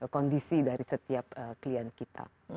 kondisi dari setiap klien kita